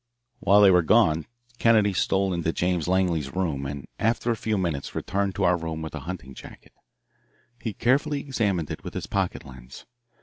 While they were gone Kennedy stole into James Langley's room and after a few minutes returned to our room with the hunting jacket. He carefully examined it with his pocket lens.